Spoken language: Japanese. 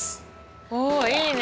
おいいね。